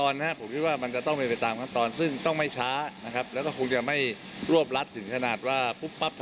แน่นอนครับ